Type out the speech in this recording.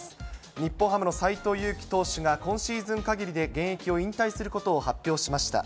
日本ハムの斎藤佑樹投手が今シーズンかぎりで現役を引退することを発表しました。